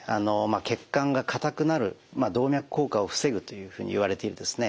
血管が硬くなる動脈硬化を防ぐというふうにいわれているですね